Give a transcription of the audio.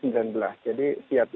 jadi siap itu artinya